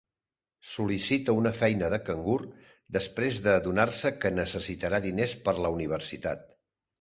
Sol·licita una feina de cangur després d'adonar-se que necessitarà diners per la universitat.